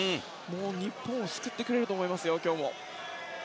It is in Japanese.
日本を救ってくれると思います。